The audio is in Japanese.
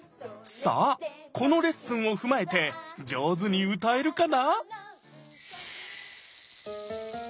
さあこのレッスンを踏まえて上手に歌えるかな？